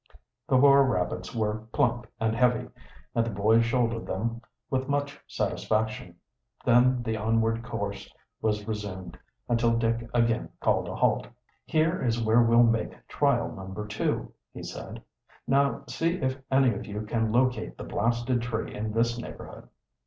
The four rabbits were plump and heavy, and the boys shouldered them with much satisfaction. Then the onward course was resumed, until Dick again called a halt. "Here is where we'll make trial No. 2," he said. "Now see if any of you can locate the blasted tree in this neighborhood."